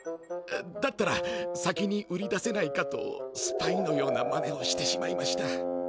だったら先に売り出せないかとスパイのようなマネをしてしまいました。